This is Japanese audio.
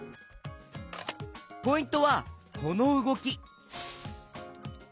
ポイントはこのうごき！